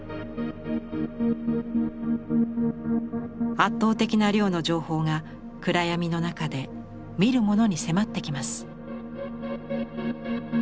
圧倒的な量の情報が暗闇の中で見る者に迫ってきます。